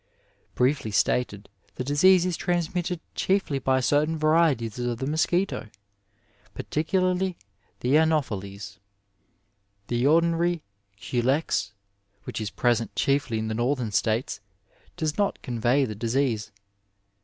Briefly stated, tHe disease is transmitted chiefly by certain varieties of the mosquito, particularly the Ano pheles. The ordinary Culex, which is present chiefly in the Northern States, does not convey the disease.